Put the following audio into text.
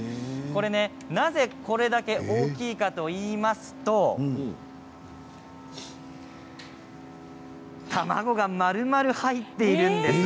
なぜ、これだけ大きいかといいますと卵がまるまる入っているんです。